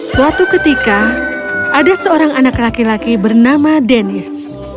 suatu ketika ada seorang anak laki laki bernama denis